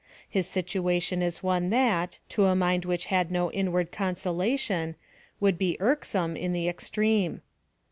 His sit uation is one that, to a mind which had no inward consolation, would be irksome in the extreme.